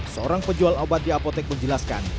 seorang penjual obat di apotek menjelaskan